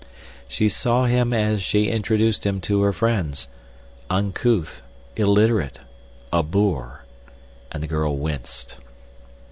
She saw him as she introduced him to her friends—uncouth, illiterate—a boor; and the girl winced.